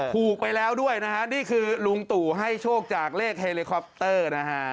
ถูกไปแล้วด้วยนี่คือลุงตู่ให้โชคจากเลขเฮเลโลคอปเตอร์